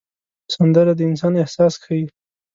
سندره د انسان احساس ښيي